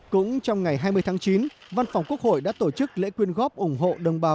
cũng trong ngày hai mươi tháng chín văn phòng quốc hội đã tổ chức lễ quyên góp ủng hộ đồng bào